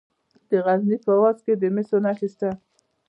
د غزني په واغظ کې د مسو نښې شته.